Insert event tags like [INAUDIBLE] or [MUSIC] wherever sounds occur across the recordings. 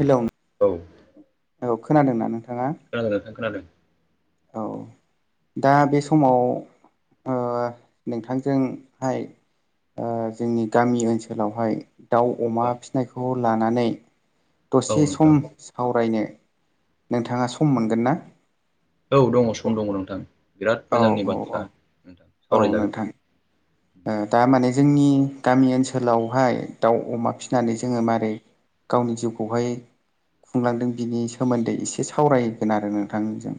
Hello, औ औ खोनादोंना [UNINTELLIGIBLE] खोनादों नोंथां खोनादों। औ, दा बे समाव ओ नोंथांजोंहाय ओ जोंनि गामि ओनसोलावहाय दाउ, औ अमा फिसिनायखौ लानानै औ दसे नोंथां सम सावरायनो नोंथाङा सम मोनगोन ना? औ, दङ सम दङ नोंथां बिराद औ मोजांनि औ औ बाथ्रा नोंथां। औ सावरायजागोन नोंथां। दा माने जोंनि गामि ओनसोलावहाय दाउ, अमा फिसिनानै जोङो माबोरै? गावनि जिउखौहाय खुंलांदों बिनि सोमोन्दै एसे सावरायगोन आरो नोंथांजों।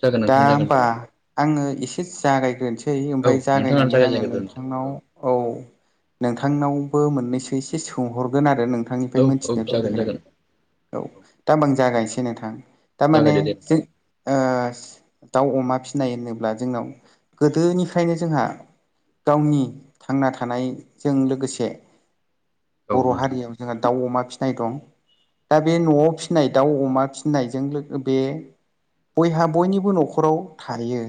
जागोन दा नोंथां जागोन होमबा जागोन आङो एसे जागायग्रोनोसै औ ओमफ्राय नोंथाङानो जागायनानै आङो [UNINTELLIGIBLE] जागायजेनग्रोदो नोंथां नोंथांनाव औ नोंथांनावबो मोननैसो एसे सोंहरगोन आरो [UNINTELLIGIBLE] औ नोंथांनिफ्राय औ मिथिनो जागोन लुबैगोन आं। जागोन औ, दा आं जागायनोसै नोंथां। थारमाने जागायदो दे जों नोंथां ओ दाउ, अमा फिसिनाय होनोब्ला जोंनाव गोदोनिफ्रायनो जोंहा गावनि थांना थानायजों लोगोसे औ बर' नोंथां उम हारियाव जोंहा दाउ, अमा फिसिनाय दं। दा बे न'आव फिनाय दाउ अमा फिनायजों लोगो बे बयहा बयनिबो न'खराव थायो।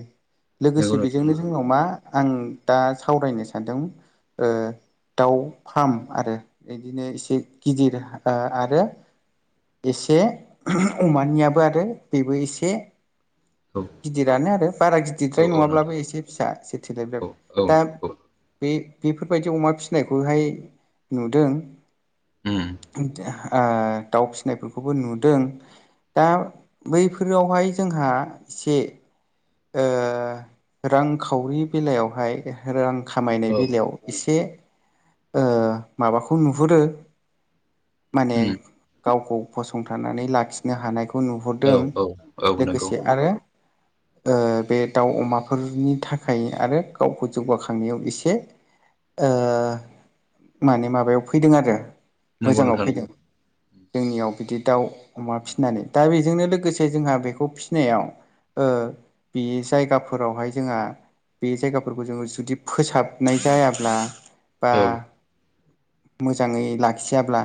नंगौ लोगोसे नोंथां बेजोंनो नंगौ जोंनाव मा आं दा सावरायनो सानदों ओ दाउ फार्म आरो इदिनो एसे गिदिर आरो एसे अमानियाबो आरो बेबो एसे गिदिरानो आरो बारा औ गिदिरद्राय औ नोंथां नङाब्लाबो एसे फिसा एसे थेलेब औ लेब। औ उम दा औ बे बेफोरबायदि अमा फिनायखौहाय नुदों। ओ दाउ फिसिनायफोरखौबो नुदों। दा बैफोरावहाय जोंहा एसे ओ रांखावरि बेलायावहाय रां खामायनाय उम बेलायाव एसे ओ माबाखौ नुहुरो माने गावखौ फसंथानानै लाखिनो हानायख खौ औ नुहरदों औ नंगौ लोगोसे आरो ओ बे दाउ अमाफोरनि थाखाय आरो गावखौ जौगाखांनायाव इसे ओ माने माबायाव फैदों आरो नंगौ मोजाङाव नोंथां नंगौ फैदों जोंनियाव बिदि दाउ अमा फिसिनानै दा बेजोंनो लोगोसे जोंहा बेखौ फिसिनायाव ओ बे जायगाफोरावहाय जोङा बे जायगाफोरखौ जोङो जुदि फोसाबनाय जायाब्ला बा औ उम मोजाङै लाखियाब्ला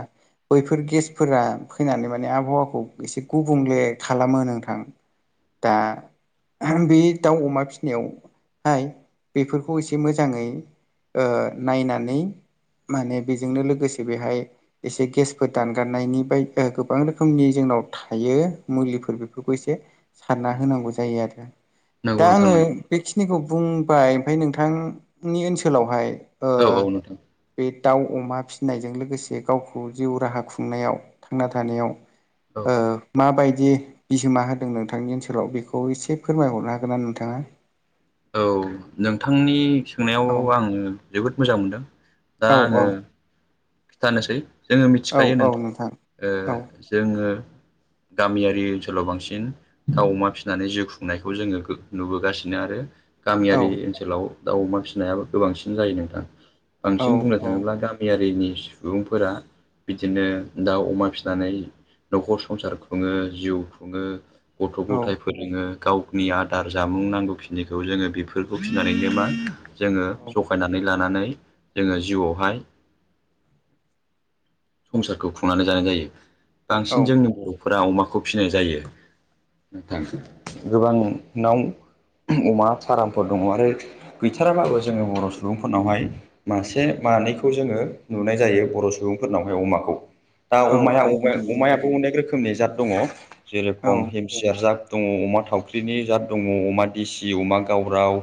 बैफोर गेसफोरा फैनानै माने आबहावाखौ एसे गुबुंले खालामो नोंथां। दा बे दाउ अमा फिसिनायाव हाय बेफोरखौ एसे मोजाङै ओ नायनानै माने बेजोंनो लोगोसे बेहाय एसे गेसफोर दानगारनायनि बाय ओ गोबां रोखोमनि जों नाव थायो मुलिफोर बेफोरखौ एसे सारना होनांगौ जायो आरो। नंगौ दा नोंथां आंङो नंगौ बेखिनिखौ बुंबाय ओमफाय नोंथांनि ओनसोलावहाय ओ औ औ नोंथां बे दाउ अमा फिसिनायजों लोगोसे गावखौ जिउ राहा खुंनायाव थांना थानायाव औ ओ माबायदि बिहोमा होदों नोंथांनि ओनसोलाव बेखौ इसे फोरमायहरनो हागोनना नोंथाङा? औ नोंथांनि सोंनायाव औ आंङो जोबोद मोजां मोनदों। दा औ औ आंङो खिथानोसै जोङो औ मिथिखायो औ नोंथां ओ औ जोङो [INAUDIBLE] गामियारि ओनसोलाव बांसिन दाउ अमा फिसिनानै जिउ खुंनायखौ जोङो नुबोगासिनो आरो औ गामियारि ओनसोलाव दाउ अमा फिसिनायाबो गोबांसिन जायो नोंथां। औ बांसिन बुंनो औ थाङोब्ला गामियारिनि सुबुंफोरा बिदिनो दाउ अमा फिसिनानै न'खर संसार खुङो जिउ खुङो। गथ' औ गथाय फोरोङो। गावनि आदार जामुं नांगौ खिनिखौ जोङो बेफोरखौ फिसिनानैनो मा जोङो औ जखायनानै लानानै जोङो जिउआवहाय संसारखौ खुंनानै जानाय जायो औ बांसिन जोंनि बर'फोरा अमाखौ फिसिनाय जायो। थांसै गोबां नाव अमा फारामफोर दङ आरो गैथाराबाबो जोङो बर' सुबुंफोरनावहाय मासे मानैखौ जोङो नुनाय जायो बर' सुबुं फोरनावहाय अमाखौ दा औ अमाया औ अमाया अमायाबो अनेक रोखोमनि जात दङ जेरेखम हिम सियार जात दङ अमा थावख्रिनि जात दङ अमा देसि अमा गावराव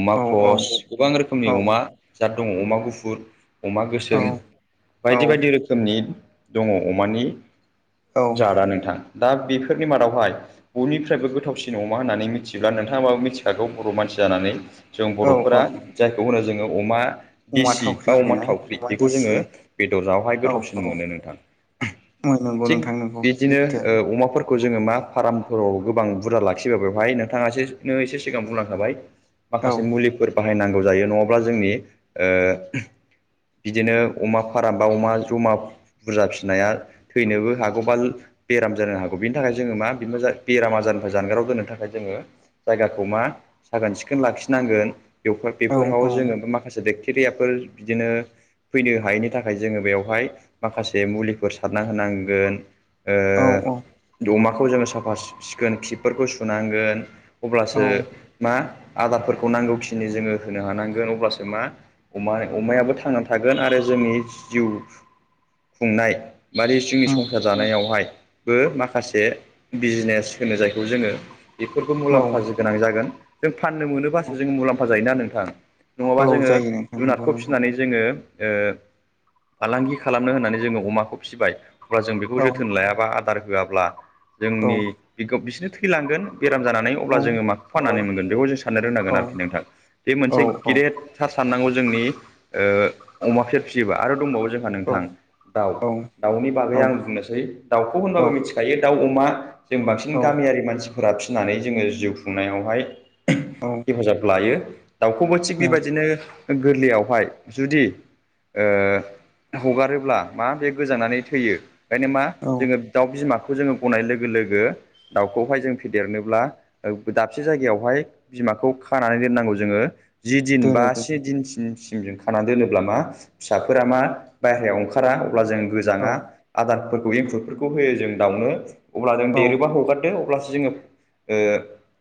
अमा ख्रस गोबां रोखोमनि अमा जात दङ अमा गुफुर। अमा गोसोम बायदि बायदि रोखोमनि दङ अमानि औ जादा नोंथां। दा बेफोरनि मादावहाय बयनिफ्रायबो गोथावसिन अमा होननानै मिथियोब्ला नोंथाङाबाबो मिथिखागौ बर' मानसि जानानै जों औ बर'फोरा जायखौ होनो जोङो अमा औवा देसि थावख्रि बा अमा होनोना थावख्रि औवा बेखौ जोङो देसि बेदर जावहाय औ गोथावसिन औ मोनो नोंथां। ओं नंगौ थिग नोंथां नंगौ बिदिनो सैथो ओ अमाफोरखौ जोङो मा फाराम फोराव गोबां बुरजा लाखिबा बेवहाय नोंथाङा एसे नो एसे सिगां बुंलांखाबाय औ माखासे मुलिफोर बाहायनां गौ जायो, नङाबा ओ बिदिनो अमा फाराम बा अमा जमा बुरजा फिनाया थैनोबो हागौ बा बेराम जानो हागौ बिनि थाखाय जोङो मा बेनिफा जा बेराम आजारनिफ्राय जानगाराव दोननो थाखाय जोङो जायगाखौ मा साखोन सिखोन लाखिना नांगोन बेव औ बेफोराव औ जों माखासे बेक्टेरिया फोर बिदिनो फैनो हायिनि थाखाय जोङो बेयावहाय माखासे मुलिफोर सारना होनांगोन। ओ औ दमाखौ जोङो साफा सिखोन खिपफोरखौ सुनांगोन। औ अब्लासो मा आदारफोरखौ नांगौखिनि जोङो होनो हानांगोन अब्लासो मा अमा- अमायाबो थांनानै थागोन आरो जोंनि जिउ खुंनाय बारै जोंनि उम संसार जानायावहाय बो माखासे बिजनेस होनो जायखौ जोङो बेफोरखौ औ मुलाम्फा गोनां जागोन। जों फाननो मोनोबासो जों मुलाम्फा जायोना नोंथां। नङाबा औ जोङो जायो नोंथां नंगौ जुनादखौ नंगौ फिसिनानै जोङो ओ फालांगि खालामनो होननानै जोङो अमाखौ फिबाय अब्ला जों बेखौ औ जोथोन लायाबा आदा दार होआब्ला औ जोंनि बिखो बिसनो थैलांगोन। बेराम जानानै औ अब्ला जोङो माखौ फाननानै मोनगोन बेखौ जों साननो औ रोंनांगोन आरोखि नोंथां बे औ मोनसे औ गेदेर थार साननांगौ जोंनि ओ अमा फेर फिसियोबा आरो दंबावो जोंहा औ नोंथां दाउ दाउनि औ बागै आं बुंनोसै दाउखौ होनबाबो मिथिखायो दाउ अम मा जों बांसिन औ गामियारि मानसिफोरा फिनानै जोङो जिउ खुंनायावहाय हेफाजाब लायो, दाउखौबो थिग बेबायदिनो गोरलैयावहाय जुदि ओ हगारोब्ला मा बे गोजांनानै थैयो, ओंखायनो मा औ जोङो दाउ बिमाखौ जोङो गनाय लोगो लोगो दावखौहाय जों फेदेरनो ब्ला दाबसे जायगायावहाय बि आखौ खानानै दोननांगौ जोङो जि दिन बा दोनो से दिन सिम जों खानानै दोनोब्ला मा फिसाफोरा मा बायरायाव ओंखारा अब्ला जों गोजाङा आदारफोर एंखुरफोरखौ होयो जों दावनो अब्ला जों दोनो देरोबा हगारदो अब्लास जोङो ओ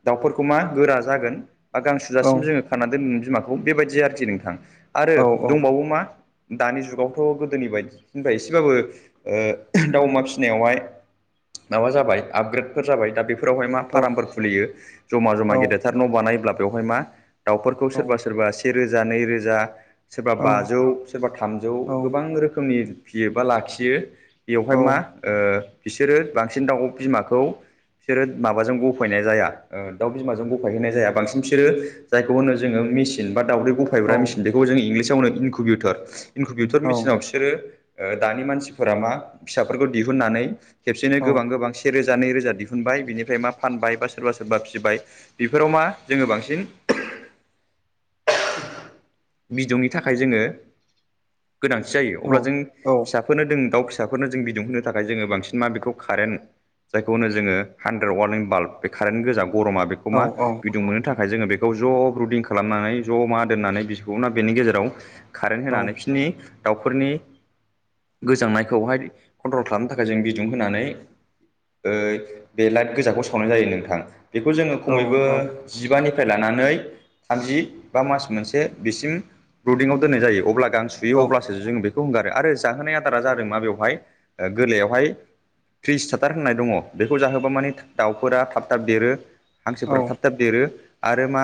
दाउफोरखौ मा गोरा जागोन बा गांसुजासिम जोङो खाना दोनन बिमाखौ। बेबायदि आरोखि नोंथां। आरो औ औ दंबावो मा दानि जुगावथ' गोदोनि बायदिनिफ्राय एसेबाबो ओ दाउ अमा फिसिनायावहाय माबा जाबाय आपग्रेडफोर जाबाय दा बेफोर फोरावहाय मा फारामफोर खुलियो ज'मा जमा गेदेरथार न' बानायोब्ला बेवहाय मा दाउफोरखौ सोरबा सोरबा सेेरोजा नैरोजा सोरबा बाजौ सोरबा थामजौ गोबां रोखोमनि फियो बा लाखियो औ बेवहाय मा ओ बिसोरो बांसिन दाउ बिमाखौ बिसोरो माबाजों बफायनाय जाया दाउ बिमाजों बफायहैनाय जाया बांसिन बिसोरो जायखौ होनो जोङो मेसिन बा दाउदै गफायग्रा मेसिन बेखौ जों इंलिसाव होनो इनकुबउटर इनकुबउटर मेसिनाव बिसोरो ओ दानि मानसिफोरा मा फिसाफोरखौ दिहुननानै खेबसेनो गोबां गोबां सेरेज जा नै रोजा दिहुनबाय बिनिफ्राय मा फानबाय बा सोरबा सोरबा फिसिबाय बेफोराव मा जोङो बांसिन [INAUDIBLE] बिदौनि थाखाय जोङो गोनांथि जायो, अब्ला जों फिसाफोरनो दों दाउ फिसा फिसाफोरनो जों बिदुंहोनो थाखाय जोङो बांसिन मा बेखौ कारेन्ट जायखौनो जोङो हानड्रेट वारलिं बाल्ब बे कारेन्ट गोजा बर'मा बेखौ मा बिदुं मोननो थाखाय जोङो बेखौ ज' रुदिं खालामनानै ज' मा दोननानै ना बेनि गेजेराव कारेन्ट होनानै बिसोरनि दाउफोरनि गोजांनायखौहाय कन्ट्रल खालामनो थाखाय जों बिदुं होनानै ओ बे लाइट गोजाखौ सावनाय जायो नोंथां। बेखौ जोङो खमैबो जिबानिफ्राय लानानै थामजि बा मास मोनसे बिसिम ब्रुदिंआव दोन्नाय जायो अब्ला गां सुयो अब्लासो जों बेखौ बेखौ हगारो आरो जाहोनाय आदारा जादों मा बेवहाय गोरलैयावहाय थ्रिस थाथार होननाय दङ बेखौ जाहोबा माने दावउफोरा थाब थाब देरो। हांसोफोरा थाब थाब देरो आरो मा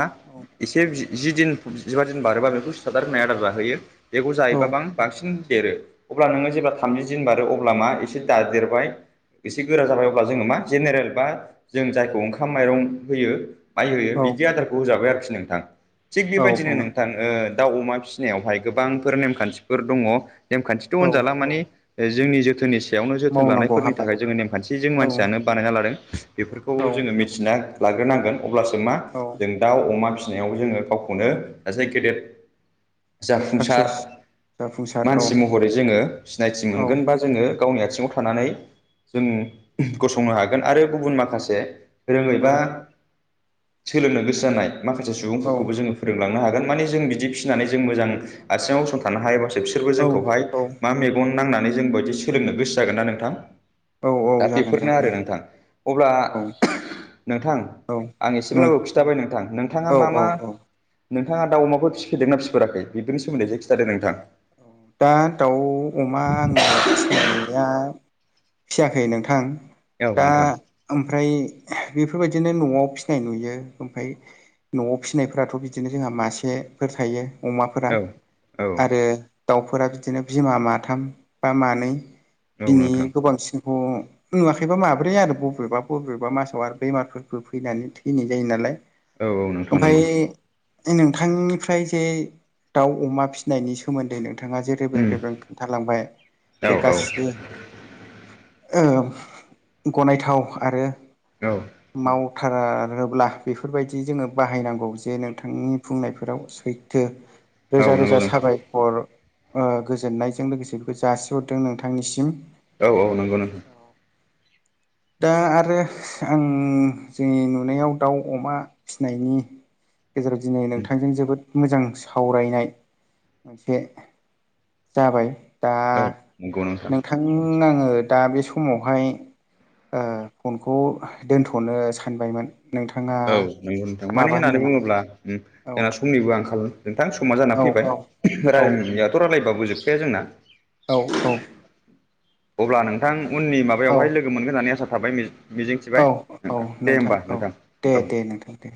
एसे जिदिन जिबा दिन बारोबा बेखौ सिदार होनाय आदार जाहोयो बेखौ जायोबा बां बांसिन देरो। अब्ला नोंङो जेब्ला थामजि दिन बारो अब्ला मा एसे दादेरबाय एसे गोरा जाबाय अबा जोङो मा जेनेरेल बा जों जायखौ ओंखाम माइरं होयो। माइ होयो बिदि आदारखौ होजाबाय आरोखि नोंथां थिग औ बेबायदिनो नों थां दाउ अमा फिसिनायावहाय गोबांफोर नेमखान्थिफोर दंङो नेमखान्थिथ' औ होनजाला माने जोंनि जोथोननि सायावनो जोथोन मावनांगौ लानायफोरनि हाबा थाखाय जोंङो नेमखान्थिजों औ मानसियानो बानायना लादों। बेफोरखौ औ जोंङो मिथिना लाग्रोनांगोन अब्लासो मा औ जों दाउ अमा फि जोङो गावखौनो सासे गेदेद जाफुंसार साक्सेस जाफुंसार औ मानसि महरै जोंङो सिनायथि औ मोनगोन बा जोंङो गावनि आथिंङाव थानानै जों गसंनो हागोन आरो गुबुन माखासे रोङै बा सोलोंनो गोसो जानाय माखासे औ सुबुंफोरखौबो जोंङो फोरोंलां नोहागोन माने जों बिदि फिसिनानै जों मोजां आथिङाव गसंथानो हायोबासो बिसोरबो जोंखौहाय औ औ मा मेगन नांनानै जों बे बायदि सोलोंनो गोसो जागोन ना नोंथां। औ औ दा जागोन बेफोरनो जागोन आरो नोंथां अब्ला नोंथां नोंथां औ आं नों एसेब्लाबो खिन्थाबाय नोंथां नोंथांङा औ मा औ मा औ नोंथांङा दाउ अमाखौ फिफेरदोंना फिफेराखै बेनि सोमोन्दै एसे खिनथादो नोंथां। दा दाउ अमा आंङो फिनाया फियाखै नोंथां औ दा नोंथां ओमफ्राय बेफोरबायदि बिदिनो न'आव फिसिनाय नुयो ओमफ्राय न'आव फिसिनायफोराथ' बिदिनो जोंहा मासेफोर थायो। अमाफोरा औ औ आरो दाउफोरा बिदिनो बिमा माथाम बा मानै औ बिनि नोंथां गोबांसिन नुवाखैबा माब्रै आरो बबेबा बबेबा मासाव आरो बेमारफोरबो फैनानै थैनाय जायो नालाय। औ औ नोंथां नंगौ ओमफाय नोंथांनिफ्राय जे दाउ अमा फिसिनायनि सोमोन्दै नों थांङा जे रेबें उम रेबें खोन्थालांबाय औ बे औ गासिबो ओ गनायथाव आरो औ माव थारोब्ला बेफोरबायदि जोङो बाहायनांगौ जे नोंथांनि बुंनायफोराव सैथो औ रोजा नंगौ रोजा नोंथां साबाय खर ओ गोजोननायजों लोगोसे बेखौ जासिहरदों नोंथांनिसिम। औ औ नंगौ नोंथां दा आरो आं जोंनि नुनायाव दाउ अमा फिनायनि गेजेराव दिनै नोंथांजों जोबोद मोजां सावरायनाय मोनसे जाबाय। दा उम औ नंगौ नोंथां आंङो दा बे समावहाय फनखौ ओ दोनथ'नो सानबायमोन। नोंथाङा औ नंगौ नथां मानो माबा होनो होननानै नामा बुंङोब्ला औ जोंना समनिबो आंखाल नोंथां समा जाना औ औ फैबाय रायनायथ' रायलाय बाबो जोबखाया जोंना। औ औ अब्ला नोंथां उननि औ माबायावहाय लोगो मोनगोन होननानै आसा थाबाय मिजिंथिबाय औ औ नोंथां दे होमबा औ नोंथां दे औ दे नोंथां दे